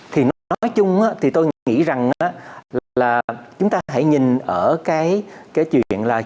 thì nói chung thì tôi nghĩ rằng là chúng ta hãy nhìn ở cái chuyện là